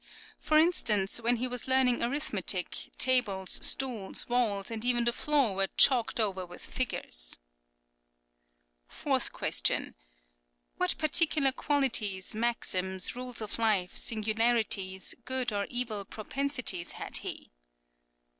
For instance, when he was learning arithmetic, tables, stools, walls, and even the floor were chalked over with figures.[10034] Fourth question: "What particular qualities, maxims, rules of life, singularities, good or evil propensities had he?"